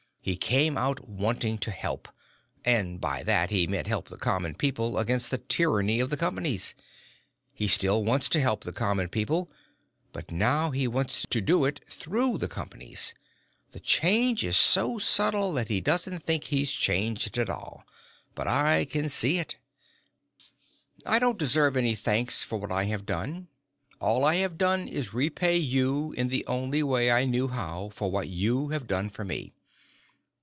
He came out wanting to help and by that, he meant help the common people against the "tyranny" of the Companies. He still wants to help the common people, but now he wants to do it through the Companies. The change is so subtle that he doesn't think he's changed at all, but I can see it. I don't deserve any thanks for what I have done. All I have done is repay you in the only way I knew how for what you have done for me.